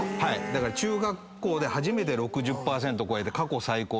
だから中学校で初めて６０％超えて過去最高になって。